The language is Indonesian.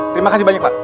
terima kasih banyak pak